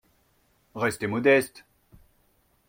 Restez modeste